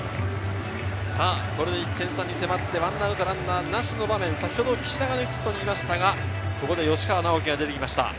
これで１点差に迫って１アウトランナーなしの場面、先ほど岸田がネクストにいましたが、吉川尚輝が出てきました。